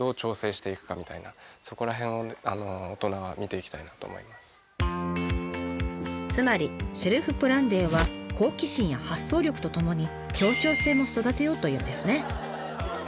やりたいことを出してもらってつまりセルフプランデーは好奇心や発想力とともに協調性も育てようというんですね。